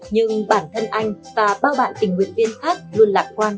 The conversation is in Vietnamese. nhưng bản thân anh và bao bạn tình nguyện viên khác luôn lạc quan